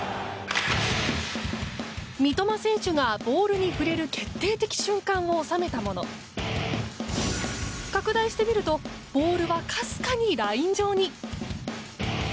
三笘選手がボールに触れる決定的瞬間を収めたもの。拡大してみるとボールは、かすかにライン上に。